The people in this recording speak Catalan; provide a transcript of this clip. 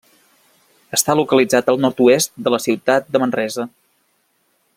Està localitzat al nord-oest de la ciutat de Manresa.